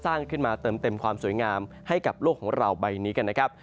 สร้างขึ้นมาเติมเต็มความสวยงามให้กับโลกของเราใบนี้กันนะครับ